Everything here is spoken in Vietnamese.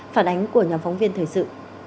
phản ánh của nhóm phóng viên thời sự